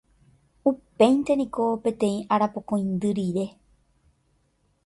Upéinte niko peteĩ arapokõindy rire